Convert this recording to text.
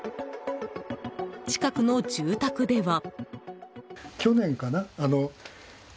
近くの住宅では。